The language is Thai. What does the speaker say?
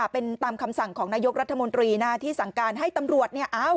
เป็นตามคำสั่งของนายกรัฐมนตรีนะที่สั่งการให้ตำรวจเนี่ย